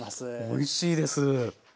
おいしいです。